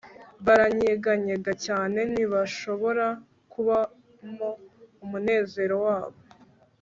Baranyeganyega cyane ntibashobora kubamo umunezero wabo